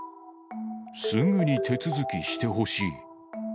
すぐに手続きしてほしい。